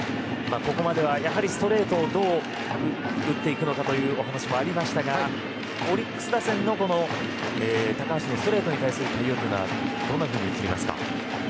ここまでは、やはりストレートをどう打っていくのかというお話もありましたかオリックス打線の高橋のストレートに対する対応というのはどんなふうに映りますか。